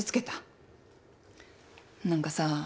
何かさ